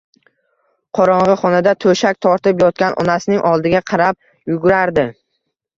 Qorong`i xonada to`shak tortib yotgan onasining oldiga qarab yuguradi